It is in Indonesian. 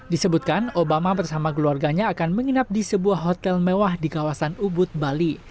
disebutkan obama bersama keluarganya akan menginap di sebuah hotel mewah di kawasan ubud bali